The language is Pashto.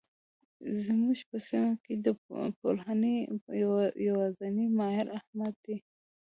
زموږ په سیمه کې د پلوهنې يوازنی ماهر؛ احمد دی.